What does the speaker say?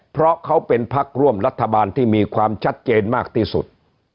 เพราะเขาเป็นพักร่วมรัฐบาลที่มีความชัดเจนมากที่สุด